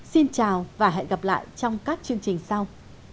xin chào và hẹn gặp lại trong các chương trình sau